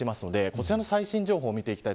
そちらが最新情報です。